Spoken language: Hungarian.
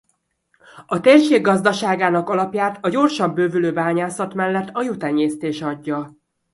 A térség gazdaságának alapját a gyorsan bővülő bányászat mellett a juhtenyésztés adja.